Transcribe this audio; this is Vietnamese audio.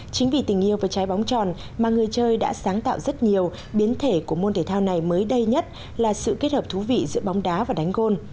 chính vì tình yêu và trái bóng tròn mà người chơi đã sáng tạo rất nhiều biến thể của môn thể thao này mới đây nhất là sự kết hợp thú vị giữa bóng đá và đánh gôn